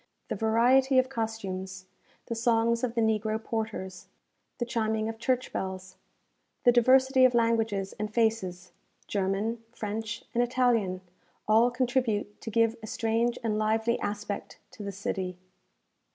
The variety of costumes, the songs of the negro porters, the chiming of church bells, the diversity of languages and faces, German, French, and Italian, all contribute to give a strange and lively aspect to the city.